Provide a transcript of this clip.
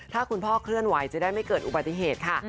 ถ้าคุณพ่อเคลื่อนไหวจะได้ไม่เกิดอุบัติเหตุค่ะ